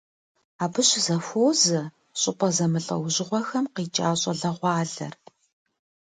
Абы щызэхуозэ щӏыпӏэ зэмылӏэужьыгъуэхэм къикӏа щӏалэгъуалэр.